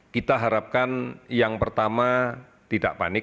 kita harapkan yang pertama tidak panik